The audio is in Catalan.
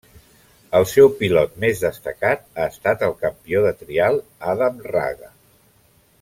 El seu pilot més destacat ha estat el campió de trial Adam Raga.